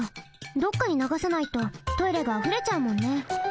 どっかにながさないとトイレがあふれちゃうもんね。